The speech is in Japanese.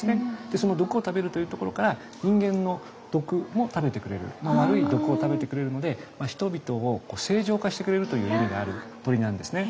その毒を食べるというところから人間の毒も食べてくれる悪い毒を食べてくれるので人々を清浄化してくれるという意味がある鳥なんですね。